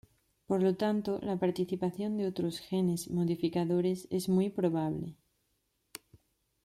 Por lo tanto, la participación de otros genes modificadores es muy probable.